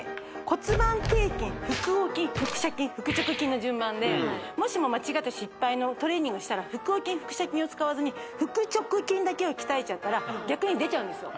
骨盤底筋腹横筋腹斜筋腹直筋の順番でもし間違って失敗のトレーニングをしたら腹横筋腹斜筋を使わずに腹直筋だけを鍛えちゃったら逆に出ちゃうんですよ